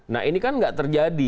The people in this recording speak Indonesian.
nah ini kan nggak terjadi